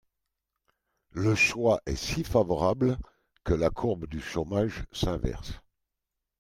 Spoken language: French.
Le choix est si favorable que la courbe du chômage s’inverse